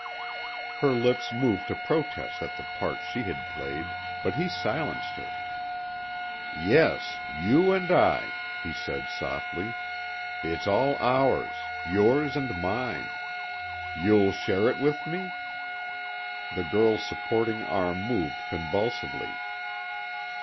Her lips moved to protest at the part she had played, but he silenced her. "Yes, you and I," he said softly. "It's all ours yours and mine. You'll share it with me?" The girl's supporting arm moved convulsively.